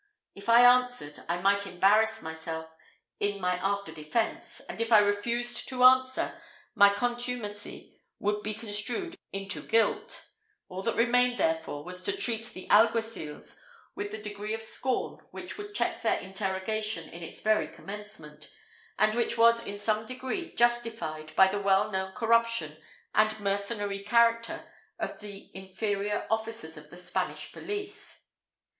If I answered, I might embarrass myself in my after defence, and if I refused to answer, my contumacy would be construed into guilt; all that remained, therefore, was to treat the alguacils with a degree of scorn which would check their interrogation in its very commencement, and which was in some degree justified by the well known corruption and mercenary character of the inferior officers of the Spanish police.